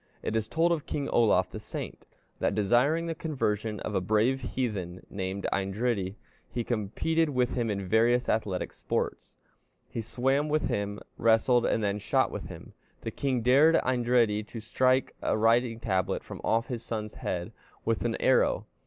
It is told of King Olaf the Saint (d. 1030), that, desiring the conversion of a brave heathen named Eindridi, he competed with him in various athletic sports; he swam with him, wrestled, and then shot with him. The king dared Eindridi to strike a writing tablet from off his son's head with an arrow.